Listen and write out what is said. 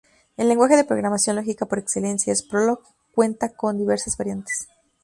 El lenguaje de programación lógica por excelencia es Prolog, que cuenta con diversas variantes.